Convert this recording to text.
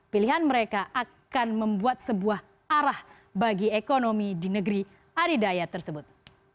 pilihan mereka akan membuat sebuah arah bagi ekonomi di negeri aridaya tersebut